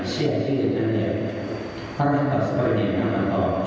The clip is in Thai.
เสียชีวิตอันเด็กภรรนัสกรรมินทางต่อ